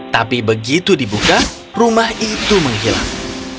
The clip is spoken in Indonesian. tapi begitu dibuka rumah itu menghilang